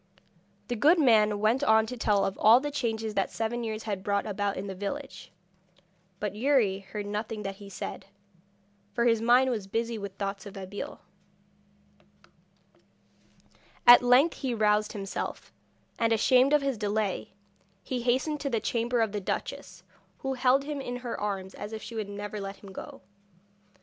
The good man went on to tell of all the changes that seven years had brought about in the village, but Youri heard nothing that he said, for his mind was busy with thoughts of Abeille. [Illustration: 'STAY HERE AND YOU SHALL BE KING'] At length he roused himself, and ashamed of his delay, he hastened to the chamber of the duchess, who held him in her arms as if she would never let him go.